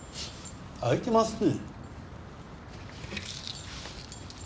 開いてますね。